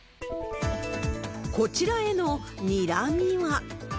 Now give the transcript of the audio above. こちらへのにらみは。